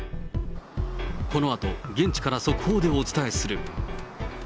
このあと、現地から速報でお伝えする。